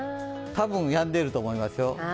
多分やんでいると思いますよ。